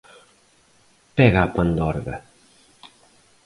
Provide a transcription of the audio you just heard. Pega a pandorga